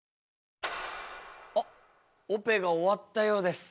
あっオペが終わったようです。